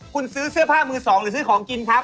คุณซื้อเสื้อผ้ามือสองหรือซื้อของกินครับ